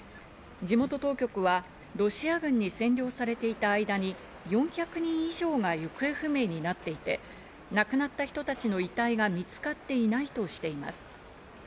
地元当局はロシア軍に占領されていた間に４００人以上が行方不明になっていて、亡くなった人たちの遺体が見つかっていないとしています。